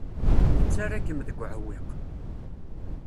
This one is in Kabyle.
Nettarra-kem deg uɛewwiq.